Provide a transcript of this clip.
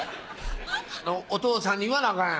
お父さんに言わなあかんやん